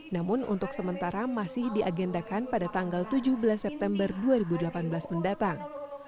namun untuk sementara masih diagendakan pada tanggal tujuh belas september dua ribu delapan belas mendatang